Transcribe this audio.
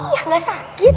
iya tidak sakit